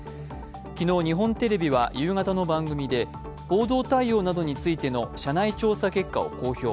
昨日、日本テレビは夕方の番組で報道対応などについての社内調査結果を公表。